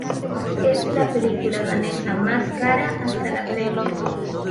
Es la película danesa más cara hasta la fecha